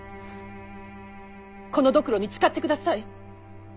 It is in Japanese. このドクロに誓ってください。